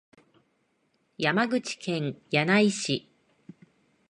山口県柳井市